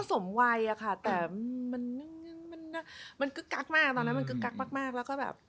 ซมไวค่ะแต่มันคือก๊ั๊กมากตอนนั้นคือก๊ั๊กมากแล้วแบบ